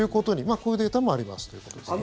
こういうデータもありますということですね。